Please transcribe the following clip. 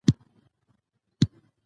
زده کړه د نجونو خلاقیت زیاتوي.